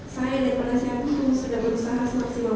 saya dan penasihat hukum sudah berusaha semaksimal